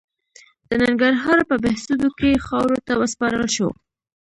د ننګرهار په بهسودو کې خاورو ته وسپارل شو.